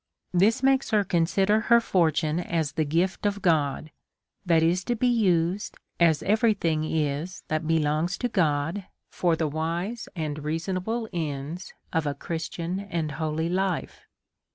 This makes her consider her fortune as the gift of God, that is to be used as every thing is that belongs to God, for the wise and reasonable ends of a Christian and holy life.